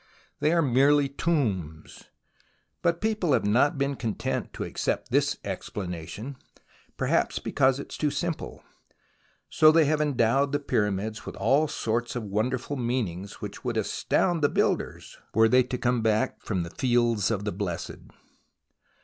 They are merely tombs. But people have not been content to accept this explanation, perhaps because it is too simple, so they have endowed the Pyramids with all sorts of wonderful meanings which would astound the builders were they to come back from the Fields of the Blessed.